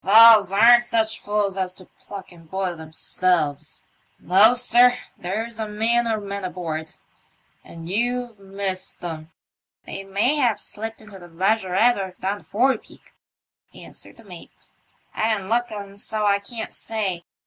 "Fowls aren't such fools as to pluck and boil themselves. No, sir ; there's a man or men aboard, and you've missed 'em." " They may have slipped into the lazaretto or down the forepeak," answered the mate. I didn't look, and so I can't say.